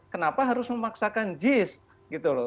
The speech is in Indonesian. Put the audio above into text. kenapa harus memaksakan jis gitu loh